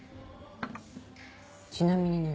ちなみに何？